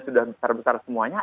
sudah besar besar semuanya